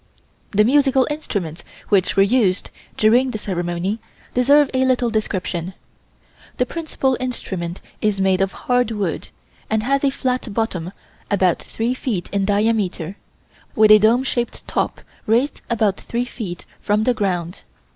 The musical instruments which were used during the ceremony deserve a little description. The principal instrument is made of hard wood, and has a flat bottom about three feet in diameter, with a dome shaped top raised about three feet from the ground.